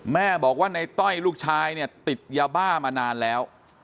แม่บอกว่าในต้อยลูกชายเนี่ยติดยาบ้ามานานแล้ว